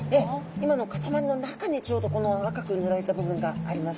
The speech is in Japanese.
今の塊の中にちょうどこの赤く塗られた部分があります。